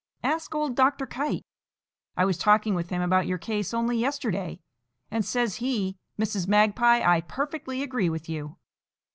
Ask old Dr. Kite. I was talking with him about your case only yesterday, and says he, 'Mrs. Magpie, I perfectly agree with you.